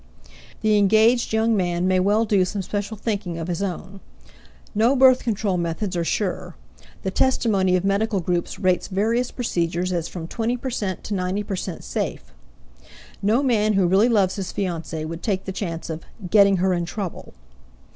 The engaged young man may well do some special thinking of his own. No birth control methods are sure; the testimony of medical groups rates various procedures as from 20 percent to 90 percent safe; no man who really loves his fiancée would take the chance of "getting her in trouble."